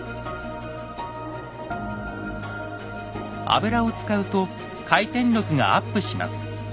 油を使うと回転力がアップします。